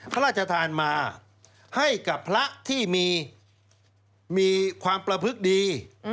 พระราชทานมาให้กับพระที่มีความประพฤติดี